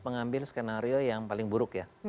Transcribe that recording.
mengambil skenario yang paling buruk ya